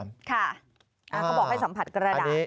เขาบอกให้สัมผัสกระดาษ